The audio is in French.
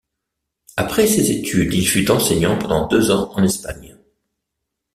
Après ses études, il fut enseignant pendant deux ans en Espagne.